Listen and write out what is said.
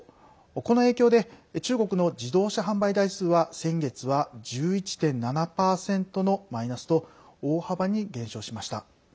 この影響で中国の自動車販売台数は、先月は１１．７％のマイナスと大幅に減少しました。